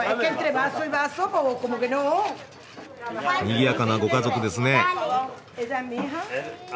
にぎやかなご家族ですね。